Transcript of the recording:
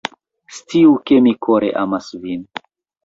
Sciu ke, mi kore amas vin